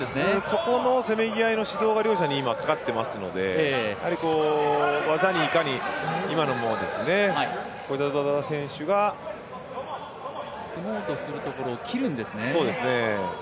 そこのせめぎ合いの指導が両者にかかっていますので、技にいかに今のもですね、コジャゾダ選手が組もうとするところを切るんですね。